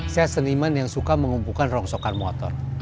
saya seniman yang suka mengumpulkan rongsokan motor